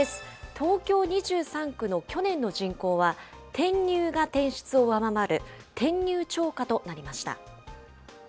東京２３区の去年の人口は、転入が転出を上回る、転入超過となりました。